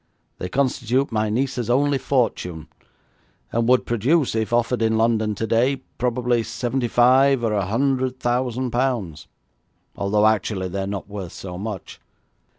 They constitute my niece's only fortune, and would produce, if offered in London today, probably seventy five or a hundred thousand pounds, although actually they are not worth so much.